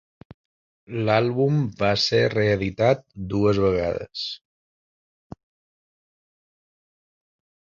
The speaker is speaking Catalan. L'àlbum va ser reeditat dues vegades.